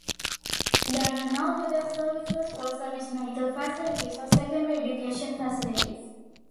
There are no hotel services, full service medical facilities or secondary education facilities.